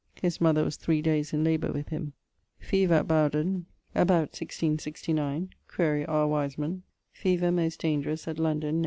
His mother was three dayes in labour with him. Fever at Bowdon about 1669; quaere R. Wiseman. Fever, most dangerous, at London Nov.